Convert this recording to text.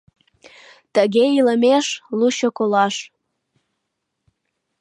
Тыге илымеш — лучо колаш.